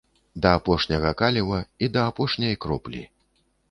Да апошняга каліва і да апошняй кроплі.